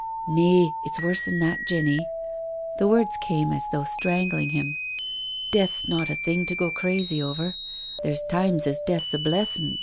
" Nay— it's wor'sn that, Jenny." The words came as though strangling him. " Death's not a thing to go crazy over. There's times as death's a blessin'.